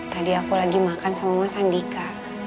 tadi aku lagi makan sama mas andika